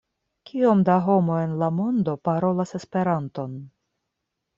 Kiom da homoj en la mondo parolas Esperanton?